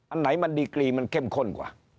อันไหนมันดีกรีมันเข้มข้นกว่า